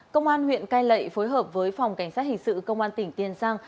công an huyện cai lệ phối hợp với phòng cảnh sát hình sự công an tỉnh tiền giang